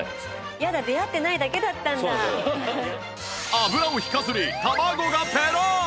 油を引かずに卵がペロン！